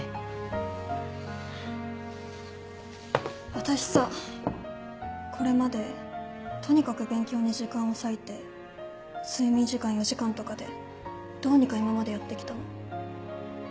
私さこれまでとにかく勉強に時間を割いて睡眠時間４時間とかでどうにか今までやってきたの。